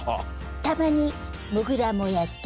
たまにモグラもやってます。